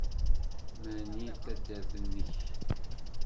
Mani taddart-nnek?